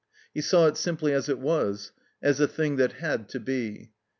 He saw it simply as it was, as a thing that had to be.